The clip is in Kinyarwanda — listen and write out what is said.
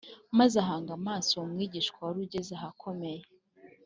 maze ahanga amaso uwo mwigishwa wari ugeze ahakomeye